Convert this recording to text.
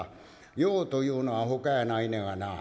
用というのはほかやないのやがなぁ」。